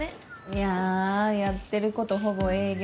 いややってることほぼ営業。